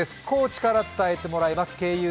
高知から伝えてもらいます。